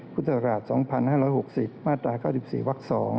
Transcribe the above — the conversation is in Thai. พุทธศราช๒๕๖๐มาตรา๙๔วัก๒